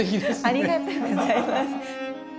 ありがとうございます。